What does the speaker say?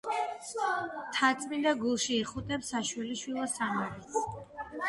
მთაწმინდა გულში იხუტებს საშვილიშვილო სამარეს.